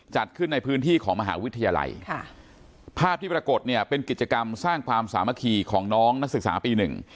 จัดขึ้นในพื้นที่ของมหาวิทยาลัยค่ะภาพที่ปรากฏเนี่ยเป็นกิจกรรมสร้างความสามัคคีของน้องนักศึกษาปีหนึ่ง